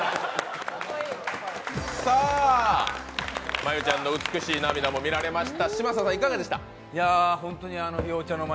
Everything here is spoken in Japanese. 真悠ちゃんの美しい涙も見られました。